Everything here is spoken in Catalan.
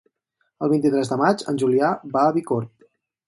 El vint-i-tres de maig en Julià va a Bicorb.